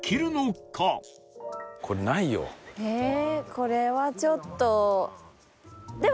これはちょっと。